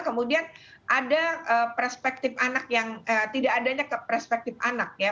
kemudian ada perspektif anak yang tidak adanya ke perspektif anak ya